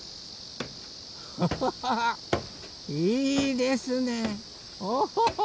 ハハハいいですねおお。